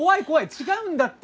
違うんだって！